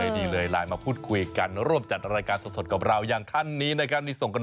ดีเลยไลน์มาพูดคุยกันร่วมจัดรายการสวดกับเราอย่างขั้นนี้นะครับ